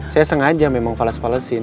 saya sengaja memang fales falesin